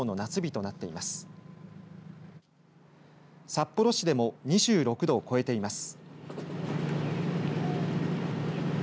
札幌市でも２６度を超えています。